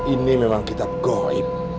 ini memang kitab gaib